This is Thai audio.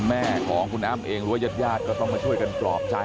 แม่ของคุณอ้ำเองหรือว่ายาดก็ต้องมาช่วยกันปลอบใจ